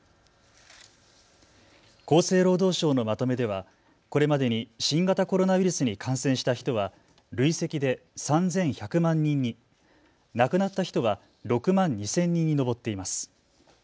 厚生労働省のまとめではこれまでに新型コロナウイルスに感染した人は累積で３１００万人に、亡くなった人は６万２０００人に上っています。